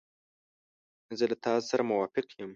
زه له تا سره موافق یم.